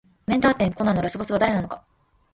名探偵コナンのラスボスは誰なのか